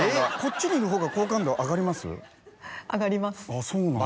あぁそうなんだ。